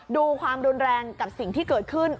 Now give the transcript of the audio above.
ดูความรุนแรงกับสิ่งที่เกิดขึ้น